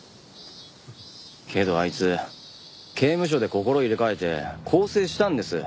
けどあいつ刑務所で心入れ替えて更生したんです！